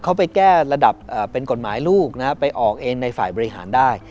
เขาไปแก้ระดับเป็นกฎหมายลูกนะฮะไปออกเองในฝ่ายบริหารได้